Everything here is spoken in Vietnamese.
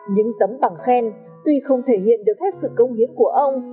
những tấm bằng khen tuy không thể hiện được hết sự công hiến của ông